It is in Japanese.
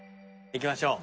行きましょう。